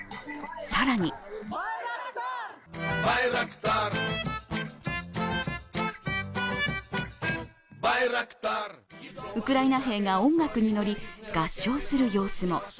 更にウクライナ兵が音楽に乗り、合唱する様子も。